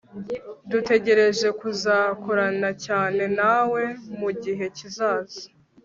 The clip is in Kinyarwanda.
dutegereje kuzakorana cyane nawe mugihe kizaza